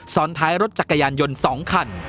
ท้ายรถจักรยานยนต์๒คัน